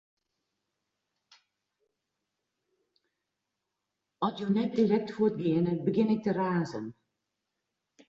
At jo no net direkt fuort geane, begjin ik te razen.